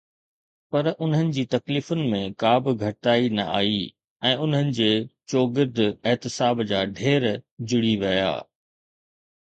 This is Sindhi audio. پر انهن جي تڪليفن ۾ ڪا به گهٽتائي نه آئي ۽ انهن جي چوگرد احتساب جا ڍير جڙي ويا.